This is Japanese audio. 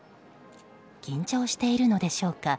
緊張しているのでしょうか。